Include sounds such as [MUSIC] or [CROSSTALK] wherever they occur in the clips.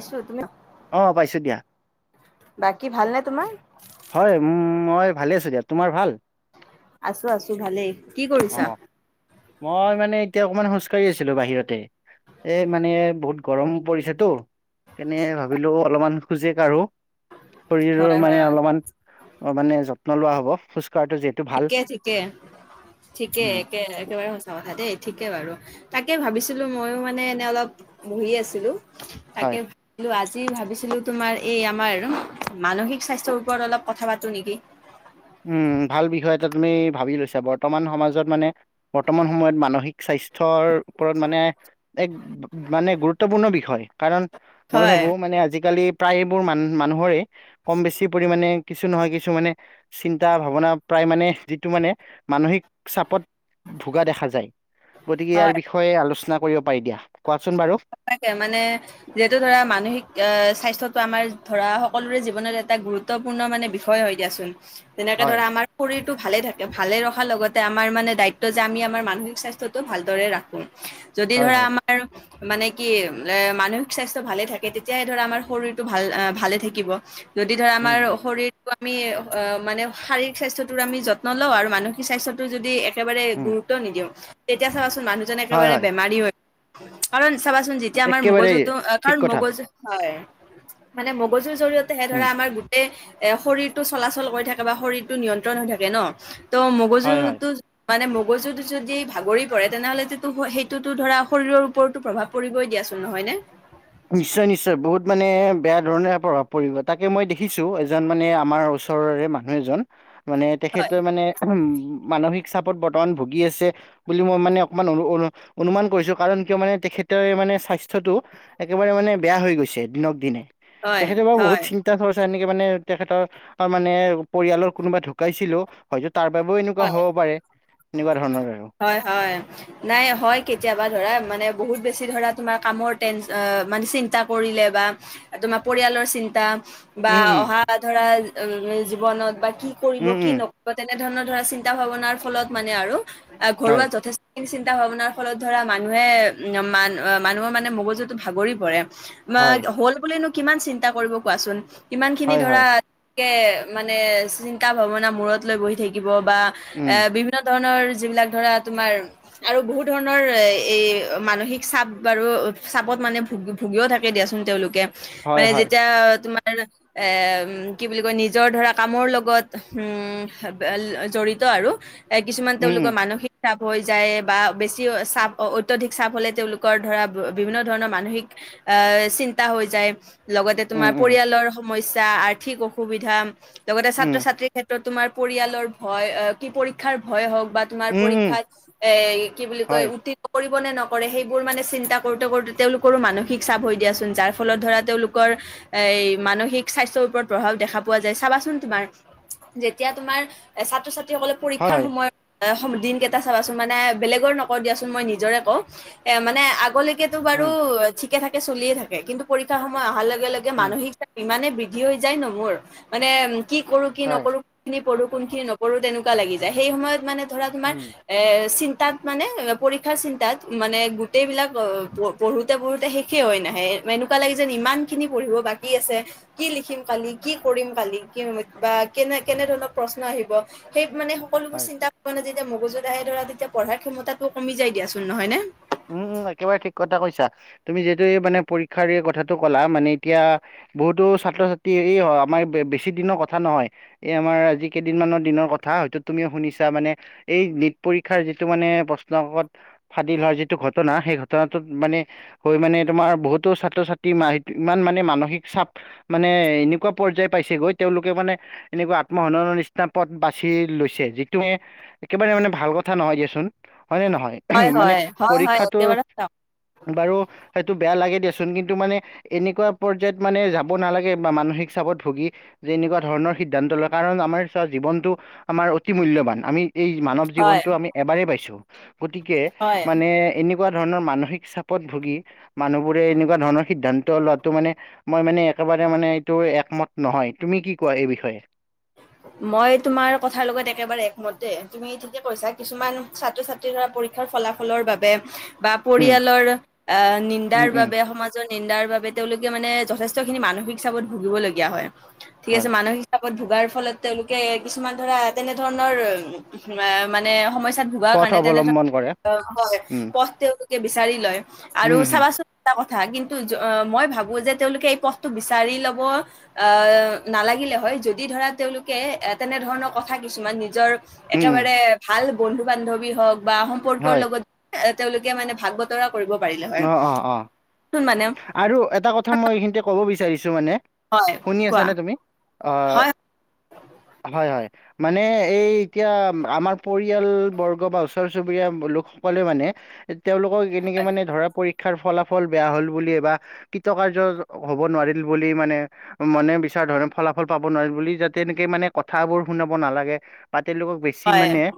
আছো তুমি। অঁ পাইছোঁ দিয়া। বাকী ভাল নে তোমাৰ। হয় উ মই ভালে আছো দিয়া। তোমাৰ ভাল আছো আছো ভালেই। কি অ কৰিছা? মই মানে এতিয়া অকমান খোজ কাঢ়ি আছিলো বাহিৰতে- এ মানে বহুত গৰম পৰিছেতো। তেনে ভাবিলো অলপমান খোজে আৰু- শৰীৰৰ হয় হয় মানে হয় অলপমান অ মানে যত্ন লোৱা হব খোজ কঢ়াতটো যে ঠিকে ঠিকে ঠিকে উম একে একেবাৰে সঁচা কথা দেই ঠিকে বাৰু তাকে ভাবিছিলো মইও মানে এনে অলপ বহি আছিলো। তাকে হয় বোলো আজি ভাবিছিলো তোমাৰ এই আমাৰ মানসিক স্বাস্থ্যৰ ওপৰত অলপ কথা পাতো নেকি? উম ভাল বিষয় এটা তুমি ভাবি লৈছা বৰ্তমান সমাজত মানে বৰ্তমান সময়ত মানসিক স্বাস্থ্যৰ ওপৰত মানে এক- মানে গুৰুত্বপূৰ্ণ বিষয় কাৰণ মই হয় ভাবো মানে আজিকালি প্ৰায়বোৰ মান মানুহৰে কম বেছি পৰিমানে কিছু নহয় কিছু মানে। চিন্তা ভাৱনা প্ৰায় মানে যিটো মানে মানসিক চাপত ভোগা দেখা যায়। গতিকে ইয়াৰ হয় বিষয়ে আলোচনা কৰিব পাৰি দিয়া কোৱাচোন বাৰু। তাকে মানে যিহেতু ধৰা মানসিক আহ স্বাস্থ্যটো আমাৰ ধৰা সকলোৰে জীৱনৰ এটা গুৰুত্ব। গুৰুত্বপূৰ্ণ মানে বিষয় হয় দিয়াচোন যেনেকে হয়, ধৰা আমাৰ। শৰীৰটো ভালে থাকে ভালে ৰখাৰ লগতে আমাৰ মানে দায়িত্ব যে আমি আমাৰ মানসিক স্বাস্থ্যটো ভালদৰে ৰাখোঁ। যদি হয়, ধৰা হয়। আমাৰ মানে কি এ মানসিক স্বাস্থ্য ভালে থাকে তেতিয়াহে ধৰা আমাৰ শৰীৰটো ভাল ভালে থাকিব। যদি ধৰা আমাৰ উম, উম, শৰীৰ টো‌ আমি অ মানে শাৰীৰিক স্বাস্থ্যয়টো আমি যত্ন লওঁ আৰু মানসিক স্বাস্থ্যয়টো যদি একেবাৰে উম, গুৰুত্ব নিদিওঁ তেতিয়া চাবাচোন মানুহজনে একেবাৰে বেমাৰী হয়। কাৰণ চাবাচোন যেতিয়া আমাৰ একেবাৰেই মগজুটো ঠিক কাৰণ কথা। মগজু হয়। মানে মগজুৰ জৰিয়তে হে উম, ধৰা আমাৰ গোটেই এ শৰীৰটো চলাচল কৰি থাকে বা শৰীৰটো নিয়ন্ত্ৰণ হৈ থাকে ন ত হয়, হয়। মগজুটো। মানে মগজুত যদি ভাগৰি পৰে তেনেহ'লে যিটো সেইটোতো ধৰা শৰীৰৰ ওপৰতো প্ৰভাৱ পৰিবই দিয়াচোন নহয় নে? নিশ্চয় নিশ্চয় বহুত মানে বেয়া ধৰণে প্ৰভাৱ পৰিব তাকে মই দেখিছোঁ এজন মানে আমাৰ ওচ ওচৰৰে মানুহ এজন মানে হয় তেখেতৰ মানে উ মানসিক চাপত বৰ্তমান ভুগি আছে। বুলি মই মানে অকমান অনু অনু অনুমান কৰিছোঁ কাৰণ কিয় মানে তেখে মানে স্বাস্থ্যটো একেবাৰে মানে বেয়া হৈ গৈছে দিনক দিনে হয় তেখেতে বাৰু বহুত হয় চিন্তা চিন্তা চৰ্চা এনেকে মানে তেখেতৰ মানে পৰিয়ালৰ কোনোবা ঢুকাইছিলো। হয়তো তাৰ বাবেও এনেকুৱা হয় হ'ব পাৰে এনেকুৱা ধৰণৰ আৰু। হয় হয়। নাই হয় কেতিয়াবা ধৰা মানে বহুত বেছি ধৰা তোমাৰ কামৰ টেন মানে চিন্তা কৰিলে বা তোমাৰ পৰিয়ালৰ চিন্তা। বা উম উম অহা ধৰা জীৱনত বা কি কৰিব উম কি উম নকৰিব তেনে ধৰণত ধৰা চিন্তা ভাৱনাৰ ফলত মানে আৰু হয় ঘৰুৱা যথেষ্ট চিন্তা ভাৱনাৰ ফলত ধৰা মানুহে মান মানুহৰ মানে মগজুটো ভাগৰি পৰে। বা হয় হ'ল বুলিনো কিমান চিন্তা কৰিব কোৱাচোন কিমান খিনি হয় হয় ধৰা কে মানে চিন্তা ভাৱনা মূৰত লৈ বহি থাকিব বা উম এ বিভিন্ন বিভিন্ন ধৰণৰ যিবিলাক ধৰা তোমাৰ আৰু বহুত ধৰণৰ এ এই মানসিক চাপ বাৰু চাপত মানে ভু ভুগিও থাকে দিয়াচোন তেওঁলোকে হয় মানে হয় যেতিয়া তোমাৰ। এম কি বুলি কয় নিজৰ ধৰা কামৰ লগত উম। জড়িত আৰু এ কিছুমান উম উম তেওঁলোকৰ মানসিক চাপ হৈ যায় বা বেছি চাপ অত্যধিক চাপ হ'লে তেওঁলোকৰ ধৰা বিভিন্ন ধৰণৰ মানসিক। আহ চিন্তা হৈ যায়। লগতে উম তোমাৰ উম পৰিয়ালৰ সমস্যা আৰ্থিক অসুবিধা লগতে উম ছাত্ৰ ছাত্ৰীৰ ক্ষেত্ৰত তোমাৰ। পৰিয়ালৰ ভয় কি পৰীক্ষাৰ ভয় হওঁক বা তোমাৰ উম উম পৰীক্ষাত এ কি বুলি কয় হয় উটি কৰিব নে নকৰে সেইবোৰ মানে চিন্তা কৰোঁতে কৰোঁতে তেওঁলোকৰো মানসিক চাপ হৈ দিয়াচোন যাৰ ফলত ধৰা তেওঁলোকৰ এ মানসিক স্বাস্থ্যৰ ওপৰত প্ৰভাৱ দেখা পোৱা যায় চাবাচোন তোমাৰ। এতিয়া তোমাৰ এ ছাত্ৰ ছাত্ৰীসকলে পৰীক্ষাৰ হয় সময়ত দিনকেইটা চাবাচোন মানে বেলেগৰ নকওঁ দিয়াচোন মই নিজৰে কওঁ এ মানে আগৰ লৈকে সেইটো বাৰু উম ঠিকে থাকে চলিয়ে থাকে কিন্তু পৰীক্ষা সময় অহাৰ লগে লগে উম মানসিক ইমানে বৃদ্ধি হৈ যায় ন মোৰ মানে কি কৰোঁ কি হয় নকৰোঁ। কোনো খিনি পঢ়ো কোন খিনি নপঢ়ো তেনেকুৱা লাগি যায় সেই সময়ত মানে ধৰা তোমাৰ। উম এ চিন্তাত মানে পৰীক্ষাৰ চিন্তাত মানে গোটেইবিলাক পঢ়োতে পঢ়োতে শেষেই হয় নাহে এনেকুৱা লাগি যেন ইমান খিনি পঢ়িব বাকী আছে। কি লিখিম কালি কি কৰিম কালি কি সময়ত কিবা কেনে কেনে ধৰণৰ প্ৰশ্ন আহিব সেই মানে হয় সকলোবোৰ চিন্তা ভাবনা যি যে মগজু আহে ধৰা তেতিয়া পঢ়া ক্ষমতাটো কমি যাই দিয়াচোন নহয় নে? উম উ একেবাৰে ঠিক কথা কৈছা। তুমি যিহেতু এই মানে পৰীক্ষাৰ দিয়া কথাটো কলা মানে এতিয়া বহুতো ছাত্ৰ-ছাত্ৰী এই আমাৰ বেছি দিনৰ কথা নহয়। এই আমাৰ আজি কেইদিনমানৰ দিনৰ কথা হয়তো তুমিও শুনিছা মানে এই নিট পৰীক্ষাৰ যিটো মানে প্ৰশ্নত কাকত ফাদিল হোৱাৰ যিটো ঘটনা সেই ঘটনাটোত মানে হৈ মানে তোমাৰ বহুতো ছাত্ৰ-ছাত্ৰী মাইট ইমান মানে মানসিক চাপ মানে এনেকুৱা পৰ্যায় পাইছেগৈ তেওঁলোকে মানে এনেকুৱা আত্মসননৰ নিচিনা পথ বাচি লৈছে, যিটোৱে একেবাৰে মানে ভাল কথা নহয় দিয়াচোন হয়নে নহয়? হয় হয়। হয় হয় পৰীক্ষাটো একেবাৰে বাৰু সেইটো বেয়া লাগে দিয়াচোন কিন্তু মানে এনেকুৱা পৰ্যায়ত মানে যাব নালাগে মানসিক চাপত ভুগি যে এনেকুৱা ধৰণৰ সিদ্ধান্ত লয় কাৰণ আমাৰ জীৱনটো আমাৰ অতি মূল্যৱান আমি এই মানৱ হয় জীৱনটো আমি এবাৰে পাইছো গতিকে হয় মানে এনে কুৱা ধৰণৰ মানসিক চাপত ভুগি মানুহবোৰে এনেকুৱা ধৰণৰ সিদ্ধান্ত লোৱাটো মানে মই মানে একেবাৰে মানে এইটো একমত নহয়। তুমি কি কোৱা এই বিষয়ে? [INAUDIBLE] মই তোমাৰ কথাৰ লগত একেবাৰে একমতে তুমি ঠিকে কৈছা কিছুমান ছাত্ৰ-ছাত্ৰ ত্ৰীৰ পৰীক্ষাৰ ফলাফলৰ বাবে বা উম পৰিয়ালৰ আহ উম নিন্দাৰ উম বাবে সমা জৰ নিন্দাৰ বাবে তেওঁলোকে মানে যথেষ্টখিনি মানসিক চাপত ভুগিবলগীয়া হয়। ঠিক হয় আছে মানসিক চাপত ভোগাৰ ফলত তেওঁলোকে কিছুমান ধৰা তেনে ধৰণৰ মানে সমস্যাত ভোগাৰ পথ কাৰণে তেনে অৱলম্বন কৰে ধৰণৰ উম পথ তেওঁলোকে বিচাৰি লয় আৰু উম হম চাবাচো টা কথা কিন্তু মই ভাবো যে তেওঁলোকে এই পথটো বিচাৰি ল'ব আ নালাগিলে হয় যদ দি ধৰা তেওঁলোকে এ তেনেধৰণৰ কথা কিছুমান নিজৰ উম উম একেবাৰে ভাল বন্ধুবান্ধৱী হওক বা সম্পৰ্কৰ হয় লগত এ তেওঁলোকে মানে ভাগ বত তৰা কৰিব পাৰিলে হয়, অ অ অ সোন মানেয়ব আৰু এটা কথা মই এইখিনিতে ক'ব বিচাৰিছো মানে হয় শুনি কোৱা আছানে তুমি? অ হয় হয় হয়। মানে এই এতিয়া আমাৰ পৰিয়াল বৰ্গ বা ওচৰ চুবুৰীয়া লোকসকলেও মানে তেওঁলোকক এনেকে মানে ধৰা পৰীক্ষাৰ ফলাফল বেয়া হ'ল বুলি বা কৃতকাৰ্য হ'ব নোৱাৰিল বুলি মানে মানে বিচৰাৰ ধৰণে ফলাফল পাব নোৱাৰিল বুলি যাতে এনেকে মানে কথাবোৰ শুনাব নালাগে। বা তেওঁলোকক বেছি হয় হয় মানে এ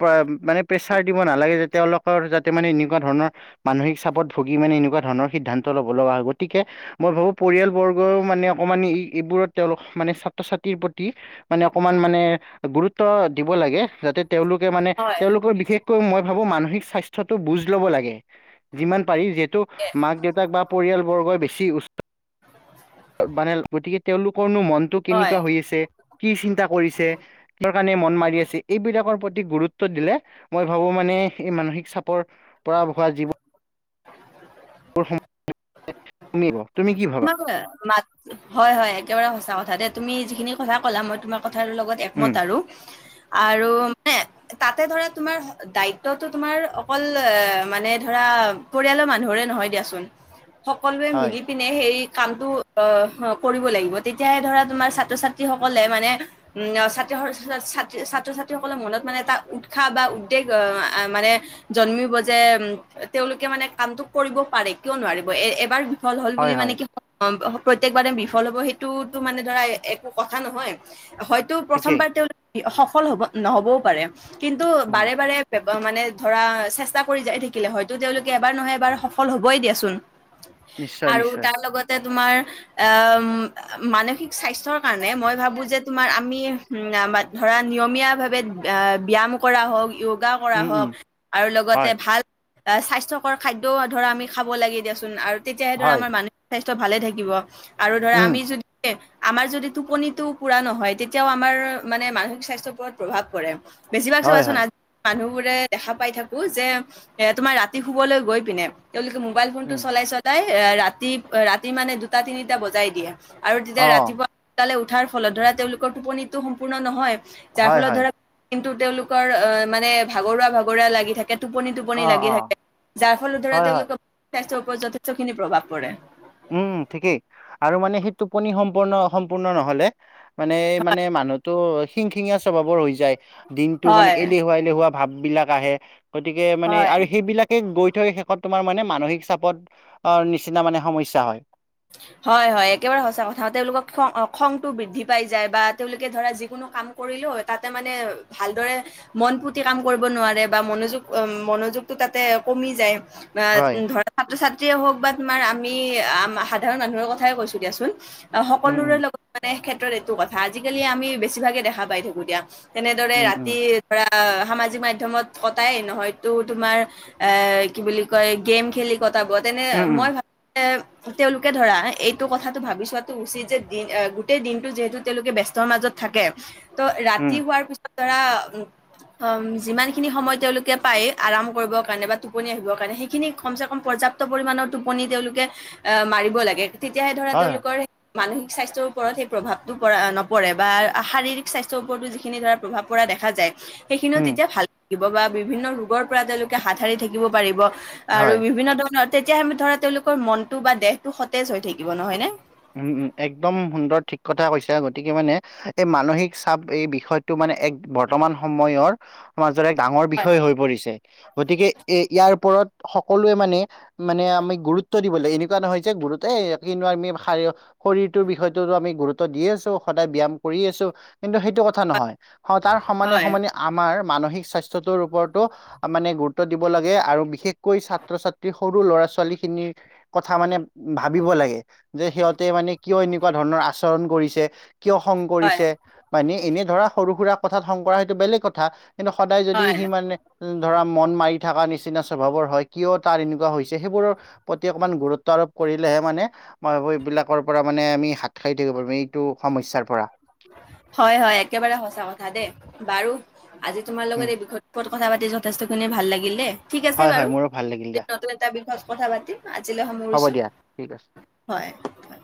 প্ৰা মানে প্ৰেচাৰ দিব নালাগে তেওঁলোকৰ যাতে মানে এনেকুৱা ধৰণৰ মানসিক চাপত ভুগি মানে এনেকুৱা ধৰণৰ সিদ্ধান্ত ল'ব লগা হয়। গতিকে মই ভাবো পৰিয়ালবৰ্গও মানে অকণমান এইবোৰত তেওঁলোক মানে ছাত্ৰ-ছাত্ৰীৰ প্ৰতি মানে অকণমান মানে গুৰুত্ব দিব লাগে যাতে তেওঁলোকে মানে হয় তেওঁলোকৰ বিশেষ কৈ মই ভাবো মানসিক স্বাস্থ্য টো বুজ ল'ব লাগে, যিমান পাৰি যিহেতু মাক দেউতাক বা পৰিয়ালবৰ্গই বেছি উচ্চ মানে গতিকে তেওঁলোকৰনো মন টো হয় কেনেকুৱা হৈ আছে, কি চিন্তা কৰিছে। কিহৰ কাৰণে মন মাৰি আছে এইবিলাকৰ প্ৰতি গুৰুত্ব দিলে। মই ভাবো মানে এই মানসিক চাপৰ পৰা হোৱা যিবো [INAUDIBLE] [UNINTELLIGIBLE] [UNINTELLIGIBLE] হয়, হয়, একেবাৰে সঁচা কথা দেই, তুমি যিখিনি কথা ক'লা, মই তোমাৰ কথাৰ লগত উম একমত আৰু। আৰু মানে তাতে ধৰা, তোমাৰ দায়িত্বতো তোমাৰ অকল মানে ধৰা, পৰিয়ালৰ মানুহৰে নহয় দিয়াচোন। [INAUDIBLE] সকলোৱে হয় মিলি পিনে সেই কামটো আহ কৰিব লাগিব, তেতিয়াহে ধৰা তোমাৰ ছাত্ৰ-ছাত্ৰীসকলে মানে উম, ছাত, ছাত্ৰ -ছাত্ৰীসকলৰ মনত মানে এটা উৎসাহ বা উদ্বেগ আহ মানে জন্মিব যে তেওঁওলোকে মানে কামটো কৰিব পাৰে, কিয় নোৱাৰিব, এ, এবাৰ বিফল হ'ল বুলি হয় মানে হয় কি প্ৰত্যেকবাৰে বিফল হ'ব, সেইটোতো মানে ধৰা একো কথা নহয়। হয় তো ঠিকেই প্ৰথমবাৰ তেওঁলোকে সফল হ'ব নহ'বও পাৰে, কিন্তু উম বাৰে-বাৰে মানে ধৰা, চেষ্টা কৰি যাই থাকিলে, হয়তো তেওঁলোকে এবাৰ নহয়, এবাৰ সফল হ'বই দিয়াচোন। নিশ্চয় আৰু নিশ্চয় তাৰ লগতে তোমাৰ অ, মানসিক স্বাস্থ্যৰ কাৰণে মই ভাবো যে, তোমাৰ আমি উম, ধৰা নিয়মীয়া ভাৱে ব্যায়াম কৰা হওঁক, যোগা কৰা উম হওঁক উম আৰু লগতে হয় ভাল আহ, স্বাস্থ্যকৰ খাদ্যও ধৰা আমি খাব লাগে দিয়াচোন, আৰু তেতিয়াহে ধৰা হয় আমাৰ মান সিক স্বাস্থ্য ভালে থাকিব। আৰু ধৰা উম আমি যদি আমাৰ যদি টোপনিটো পুৰা নহয়, তেতিয়াও আমাৰ মানে মানসিক স্বাস্থ্যৰ ওপৰত প্ৰভাৱ পৰে। বেছিভাগ হয় হয় চাবাচোন আজি মানুহবোৰে দেখা পাই থাকো যে, এ তোমাৰ ৰাতি শুবলৈ গৈ পিনে তেওঁলোকে মোবাইল ফোনটো উম চলাই-চলাই ৰাতি-ৰাতি মানে দুটা তিনিটা বজাই দিয়ে। আৰু তেতিয়া অ ৰাতিপুৱা সোনকালে উঠাৰ ফলত ধৰা, তেওঁলোকৰ টোপনিটো সম্পূৰ্ণ নহয়। যাৰ হয় ফলত হয় ধৰা, দিনটো তেওঁলোকৰ অহ, মানে ভাগৰুৱা-ভাগৰুৱা লাগি থাকে অ টোপনি-টোপনি লাগি অ থাকে, যাৰ ফলত ধৰা, হয় হয় তেওঁলোকৰ স্বাস্থ্যৰ ওপৰত যথেষ্টখিনি প্ৰভাৱ পৰে। উম, ঠিকেই। আৰু মানে সেই টোপনি সম্পূৰ্ণ-অসম্পূৰ্ণ নহ'লে মানে-মানে মানুহতো শিং-শিঙীয়া স্বভাৱৰ হৈ যায়, দিনটো মানে হয় এলেহুৱা এলেহুৱা ভাৱ বিলাক আহে, গতিকে মানে হয় আৰু সেইবিলাক গৈ থৈ শেষত তোমাৰ মানে মানসিক চাপত অ, নিচিনা মানে সমস্যা হয়। হয়, হয়, একেবাৰে সচা কথা। তেওঁলোকক খ-খংতটো বৃদ্ধি পাই যায় বা তেওঁলোকে ধৰা যিকোনো কাম কৰিলেওঁ তাতে মানে ভালদৰে মন-পুতি কাম কৰিব নোৱাৰে বা মনোযোগ-মনোযোগটো তাতে কমি যায়। আহ, হয় ধৰা, ছাত্ৰ-ছাত্ৰীয়ে হওক বা তোমাৰ, আমি সাধাৰণ মানুহৰ কথাই কৈছো দিয়াচোন। উম সকলোৰে উম লগত মানে ক্ষেত্ৰত এইটো কথা, আজিকালি আমি বেছিভাগে দেখা পাই থাকো দিয়া। তেনেদৰে উম উম ৰাতি ধৰা, সামাজিক মাধ্যমত কটাই, নহয়তো তোমাৰ এ, কি বুলি কয়, গেম খেলি কটাব, তেনে উম উম মই ভাবো তেওঁলোকে ধৰা, এইটো কথাটো ভাবি চোৱাটো উচিত যে, দিন গোটেই দিনটো যিহেতু তেওঁলোকে ব্যস্তৰ মাজত থাকে, ত', উম ৰাতি হোৱাৰ পিছত ধৰা অঁ, যিমানখিনি সময় তেওঁলোকে পায় আৰাম কৰিবৰ কাৰণে বা টোপনি আহিবৰ কাৰণে, সেইখিনি কমচে কম পৰ্যাপ্ত পৰিমণৰ টোপনি তেওঁলোকে এ মাৰিব লাগে, তেতিয়াহে ধৰা হয় হয় তেওঁলোকৰ মানসিক স্বাস্থ্যৰ ওপৰত সেই প্ৰভাৱটো পৰা নপৰে বা শাৰীৰিক স্বাস্থ্যৰ ওপৰতো যিখিনি ধৰা প্ৰভাৱ পৰা দেখা যায় সেইখিনিও উম তেতিয়া ভাল লাগিব বা বিভিন্ন ৰোগৰ পৰা তেওঁলোকে হাত সাৰি থাকিব পাৰিব। হয় আৰু বিভিন্ন ধৰণৰ তেতিয়া আমি ধৰা তেওঁলোকৰ মনটো বা দেহটো সতেজ হৈ থাকিব নহয় নে! উমঁ-উমঁ, একদম সুন্দৰ ঠিক কথা কৈছা, গতিকে মানে- এই মানসিক চাপ এই বিষয়টো মানে এক বৰ্তমান সময়ৰ- সমাজৰ এক ডাঙৰ বিষয় হৈ পৰিছে, গতিকে এই ইয়াৰ ওপৰত- সকলোৱে মানে-মানে আমি গুৰুত্ব দিব লাগে এনেকুৱা নহয় যে গুৰুত এ কিনো আমি- খাইও শৰীৰটোৰ বিষয়টোতো আমি গুৰুত্ব দিয়ে আছো সদায় ব্যায়াম কৰি আছো- কিন্তু সেইটো কথা নহয়। তাৰ হয় সমানে-সমানে আমাৰ মানসিক স্বাস্থ্যটোৰ ওপৰতো- মানে গুৰুত্ব দিব লাগে আৰু বিশেষকৈ ছাত্ৰ-ছাত্ৰী সৰু ল'ৰা-ছোৱালী খিনিৰ- কথা মানে ভাবিব লাগে। যে সিহঁতে মানে কিয় এনেকুৱা ধৰণৰ আচৰণ কৰিছে, কিয় খং হয় কৰিছে- মানে এনেই ধৰা সৰু-সুৰা কথাত খং কৰা সেইটো বেলেগ কথা, কিন্তু সদায় যদি হয় সি মানে- ধৰা মন মাৰি থকা নিচিনা স্বভাৱৰ হয় কিয় তাৰ এনেকুৱা হৈছে সেইবোৰৰ- প্ৰতি অকণমান গুৰুত্ব কৰিলেহে মানে মই এইবোৰ এইবিলাকৰ পৰা মানে আমি হাত সাৰি থাকিব পাৰিম এইটো সমস্যাৰ পৰা। হয়-হয়, একেবাৰে সঁচা কথা দেই। বাৰু আজি তোমাৰ লগত উম এই বিষয়টোৰ ওপৰত- কথা পাতি যথেষ্টখিনী ভাল লাগিল দেই, ঠিক আছে হয় হয় বাৰু- মোৰো ভাল লাগিল দিয়া আন এটা বিষয়ত কথা পাতিম আজিলে হ'ব সামৰিছো, দিয়া ঠিক আছে হয়। হয়